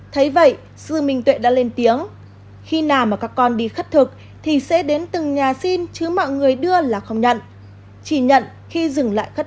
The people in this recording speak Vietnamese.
thôi legend ch seguin him daar mình được chơn ở về trường hợp